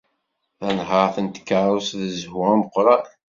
Tanhaṛt n tkeṛṛust d zzhu ameqran.